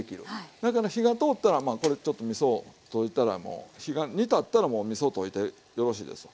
だから火が通ったらまあこれちょっとみそを溶いたらもう火が煮立ったらもうみそ溶いてよろしいですわ。